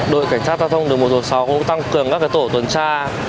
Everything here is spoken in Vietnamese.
đội cảnh sát giao thông đường một trăm sáu mươi sáu cũng tăng cường các tổ tuần tra